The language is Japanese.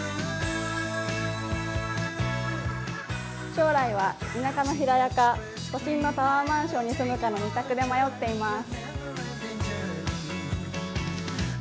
将来は田舎の平屋か都心のタワーマンションに住むかの２択で迷っています。